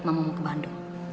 mama mau ke bandung